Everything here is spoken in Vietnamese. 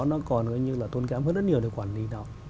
nó còn tốn kém hơn rất nhiều để quản lý